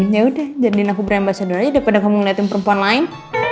yaudah jadikan aku brand ambasador aja daripada kamu ngeliatin perempuan lain